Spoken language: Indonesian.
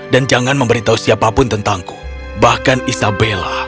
dan jangan memberitahu siapapun tentangku bahkan isabella